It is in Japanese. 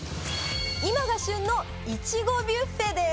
今が旬のいちごビュッフェです。